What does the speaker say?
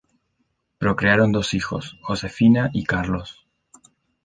Procrearon dos hijos: Josefina y Carlos.